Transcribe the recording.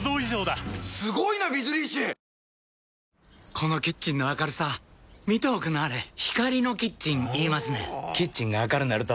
このキッチンの明るさ見ておくんなはれ光のキッチン言いますねんほぉキッチンが明るなると・・・